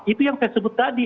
itu yang saya sebut tadi